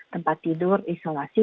tempat tidur isolasi